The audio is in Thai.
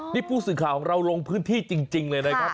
นี่ผู้สื่อข่าวของเราลงพื้นที่จริงเลยนะครับ